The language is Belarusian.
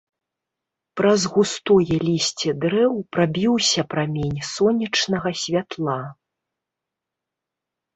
Праз густое лісце дрэў прабіўся прамень сонечнага святла.